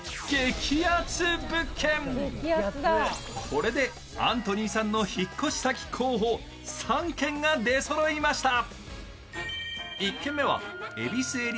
これでアントニーさんの引っ越し先候補３軒が出揃いました。